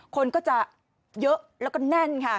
คนก็จะเยอะแล้วก็แน่นค่ะ